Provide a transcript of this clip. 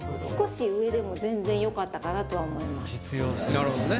なるほどね。